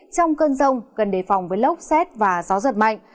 trong cơn rông cần đề phòng với lốc xét và gió giật mạnh